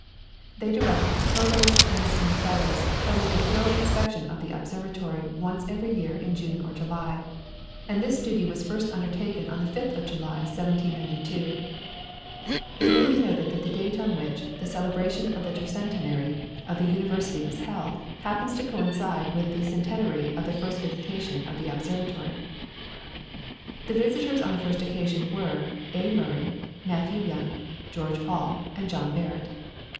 They direct that the Provost and the Senior Fellows shall make a thorough inspection of the observatory once every year in June or July; and this duty was first undertaken on the 5th of July, 1792. It may be noted that the date on which the celebration of the tercentenary of the University was held happens to coincide with the centenary of the first visitation of the observatory. The visitors on the first occasion were A. Murray, Matthew Young, George Hall, and John Barrett.